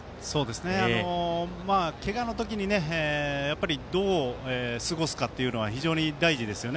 けがの時にどう過ごすかというのは非常に大事ですよね。